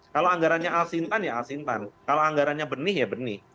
kalau anggarannya al sintan ya alsintan kalau anggarannya benih ya benih